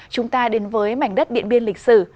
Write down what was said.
chúng ta đến với mảnh đất điện biên lịch sử